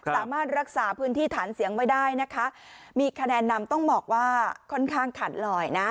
สามารถรักษาพื้นที่ฐานเสียงไว้ได้นะคะมีคะแนนนำต้องบอกว่าค่อนข้างขาดลอยนะ